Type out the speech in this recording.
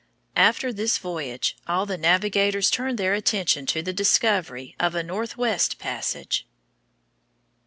After this voyage all the navigators turned their attention to the discovery of a northwest passage.